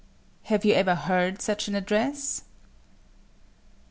Have you ever heard such an address?